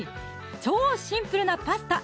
超シンプルなパスタ